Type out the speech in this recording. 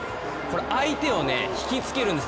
相手を引きつけるんです。